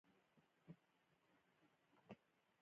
زده کړه د نجونو د ستونزو زغمل اسانه کوي.